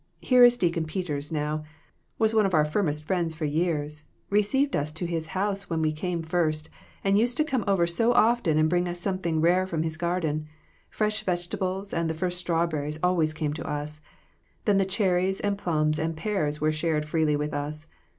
Here is Deacon Peters, now; was one of our firmest friends for years, received us to his house when we came first, and used to come over so often and bring us something rare from his garden. Fresh vegetables and the first straw berries always came to us ; then the cherries and plums and pears were shared freely with us.